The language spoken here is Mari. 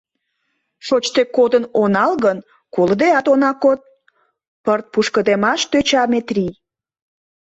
— Шочде кодын онал гын, колыдеат она код, — пырт пушкыдемаш тӧча Метрий.